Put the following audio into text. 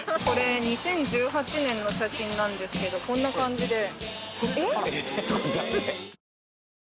これ２０１８年の写真なんですけどこんな感じで。